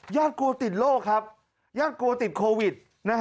กลัวติดโรคครับญาติกลัวติดโควิด